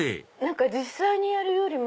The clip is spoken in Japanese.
実際にやるよりも。